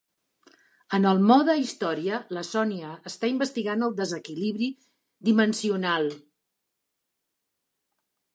En el mode història, la Sonya està investigant el desequilibri dimensional.